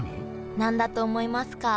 何だと思いますか？